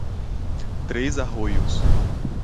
Três Arroios